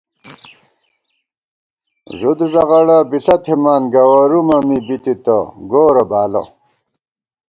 ݫُد ݫغڑہ بݪہ تھِمان گوَرُومہ می بی تِتہ گورہ بالہ